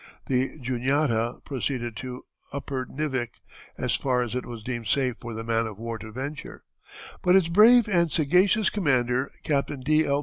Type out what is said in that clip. The Juniata proceeded to Upernivik, as far as it was deemed safe for the man of war to venture, but its brave and sagacious commander, Captain D. L.